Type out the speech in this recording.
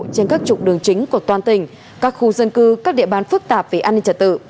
trên các trục đường chính của toàn tỉnh các khu dân cư các địa bàn phức tạp về an ninh trật tự